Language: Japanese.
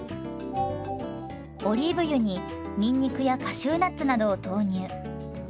オリーブ油ににんにくやカシューナッツなどを投入。